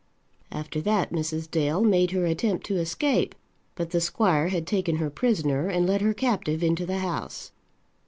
After that Mrs. Dale made her attempt to escape; but the squire had taken her prisoner, and led her captive into the house.